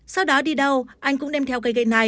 sau đó đi đâu anh cũng đem theo cây gậy này